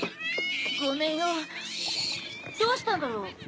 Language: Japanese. ごめんよどうしたんだろう？